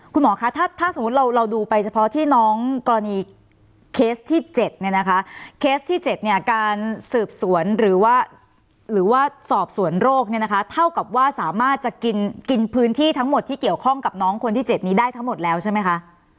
คุณหมอคะถ้าสมมุติเราดูไปเฉพาะที่น้องกรณีเคสที่๗เนี่ยนะคะเคสที่๗เนี่ยการสืบสวนหรือว่าหรือว่าสอบสวนโรคเนี่ยนะคะเท่ากับว่าสามารถจะกินพื้นที่ทั้งหมดที่เกี่ยวข้องกับน้องคนที่๗นี้ได้ทั้งหมดแล้วใช่ไหมคะ